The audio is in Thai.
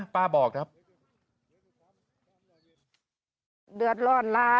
พี่เขาของหน้า